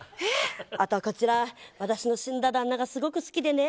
あとはこちら私の死んだ旦那がすごく好きでね。